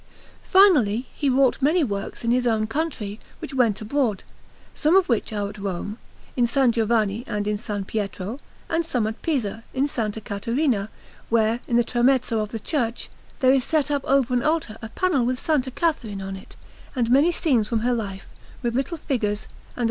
Finally, he wrought many works in his own country, which went abroad; some of which are at Rome, in S. Giovanni and in S. Pietro, and some at Pisa, in S. Caterina, where, in the tramezzo of the church, there is set up over an altar a panel with S. Catherine on it, and many scenes from her life with little figures, and a S.